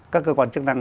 các cơ quan chức năng